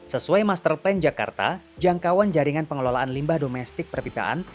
sesuai master plan jakarta jangkauan jaringan pengelolaan limbah domestik perpipaan